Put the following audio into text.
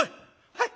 「はい。